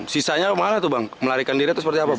sisanya mana tuh bang melarikan diri atau seperti apa bang